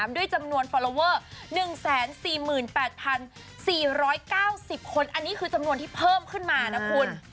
ด้วยจำนวนฟอลลอเวอร์๑๔๘๔๙๐คนอันนี้คือจำนวนที่เพิ่มขึ้นมานะคุณ